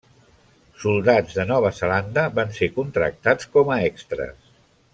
Soldats de Nova Zelanda van ser contractats com a extres.